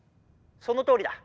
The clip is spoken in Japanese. そのとおりだ。